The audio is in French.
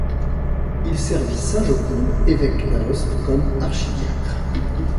Il servit saint Joconde, évêque d’Aoste, comme archidiacre.